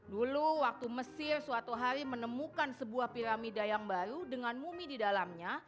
dulu waktu mesir suatu hari menemukan sebuah piramida yang baru dengan mumi di dalamnya